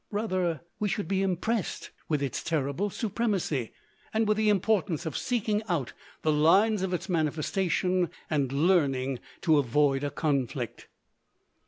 Rather we should be impressed with its terrible supremacy, and with the importance of seeking out the lines of its manifestation and learning to avoid a conflict.